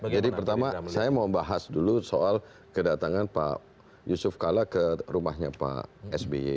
jadi pertama saya mau bahas dulu soal kedatangan pak yusuf kalla ke rumahnya pak sby